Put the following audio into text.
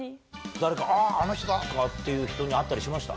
誰か「ああの人だ！」とかっていう人に会ったりしました？